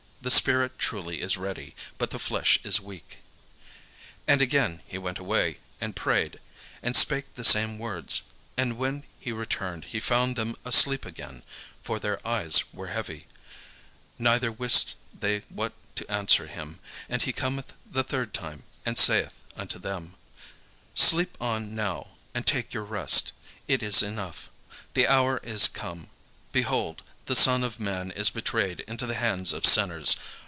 The spirit truly is ready, but the flesh is weak." And again he went away, and prayed, and spake the same words. And when he returned, he found them asleep again, (for their eyes were heavy,) neither wist they what to answer him. And he cometh the third time, and saith unto them: "Sleep on now, and take your rest: it is enough, the hour is come; behold, the Son of man is betrayed into the hands of sinners.